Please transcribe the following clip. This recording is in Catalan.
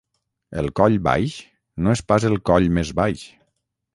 El Coll Baix no és pas el coll més baix.